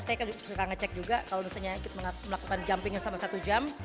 saya suka ngecek juga kalau misalnya melakukan jumping yang selama satu jam